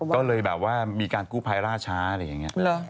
ก็เลยแบบว่ามีการกู้ภัยล่าช้าอะไรอย่างนี้